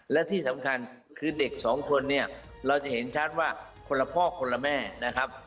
และที่สำคัญคือเด็กสองคนเนี่ยเราจะเห็นชัดว่าคนละพ่อคนละแม่นะครับ